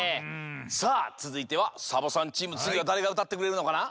さあつづいてはサボさんチームつぎはだれがうたってくれるのかな？